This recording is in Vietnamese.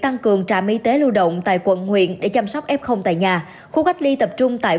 tăng cường trạm y tế lưu động tại quận huyện để chăm sóc f tại nhà khu cách ly tập trung tại